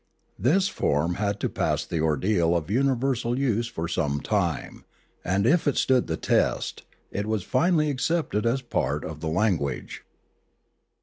This form had to pass the ordeal of universal use for some time, and if it stood the test, it was finally accepted as part of the language.